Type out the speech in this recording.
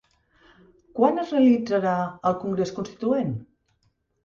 Quan es realitzarà el congrés constituent?